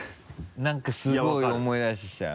何かすごい思い出してきた。